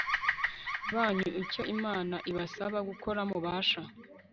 banyu icyo Imana ibasaba gukora mubasha